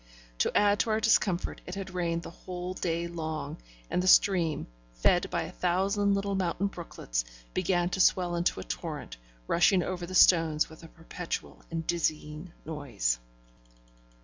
To add to our discomfort, it had rained the whole day long, and the stream, fed by a thousand little mountain brooklets, began to swell into a torrent, rushing over the stones with a perpetual and dizzying noise.